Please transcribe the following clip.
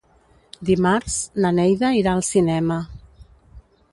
Dimarts na Neida irà al cinema.